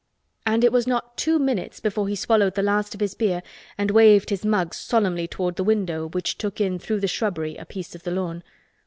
And it was not two minutes before he swallowed the last of his beer and waved his mug solemnly toward the window which took in through the shrubbery a piece of the lawn.